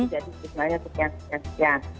jadi sebenarnya sekian sekian